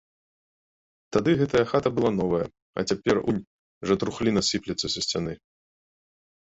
Тады гэтая хата была новая, а цяпер унь жа трухліна сыплецца са сцяны!